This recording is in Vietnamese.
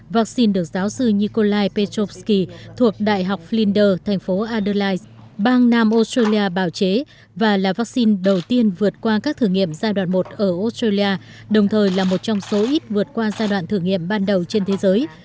vaccine được giáo sư nikolai petrovsky thuộc đại học flinder thành phố adulighz bang nam australia bào chế và là vaccine đầu tiên vượt qua các thử nghiệm giai đoạn một ở australia đồng thời là một trong số ít vượt qua giai đoạn thử nghiệm ban đầu trên thế giới